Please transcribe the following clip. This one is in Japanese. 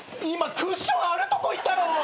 今クッションあるとこ行ったろ。